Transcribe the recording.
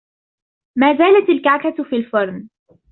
ما زالت الكعكة في الفرن.